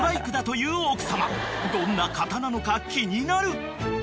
［どんな方なのか気になる］